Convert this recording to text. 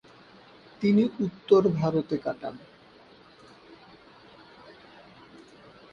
তিনি উত্তর ভারতে কাটান।